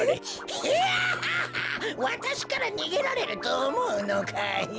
ヒャハハわたしからにげられるとおもうのかい？」。